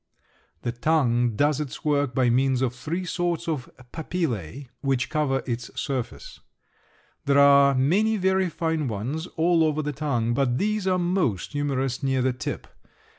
The tongue does its work by means of three sorts of papillæ which cover its surface. There are many very fine ones all over the tongue, but these are most numerous near the tip.